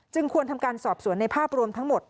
ควรทำการสอบสวนในภาพรวมทั้งหมด